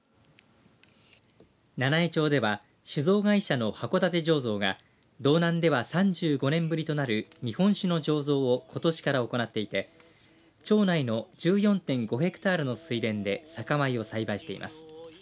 七飯町では酒造会社の箱館醸蔵が道南では３５年ぶりとなる日本酒の醸造をことしから行っていて町内の１４．５ヘクタールの水田で酒米を栽培しています。